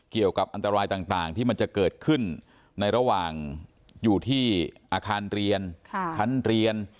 เกี่ยวกับอันตรายต่างที่มันจะเกิดขึ้นในระหว่างอยู่ที่อาคารเรียนชั้นเรียน